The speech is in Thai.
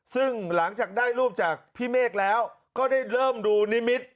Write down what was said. ซึ่งหลังจากได้รูปจากพี่เมฆแล้วก็ได้เริ่มดูนิมิตร